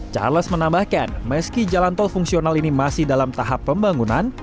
charles menambahkan meski jalan tol fungsional ini masih dalam tahap pembangunan